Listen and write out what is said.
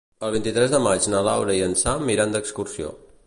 El vint-i-tres de maig na Laura i en Sam iran d'excursió.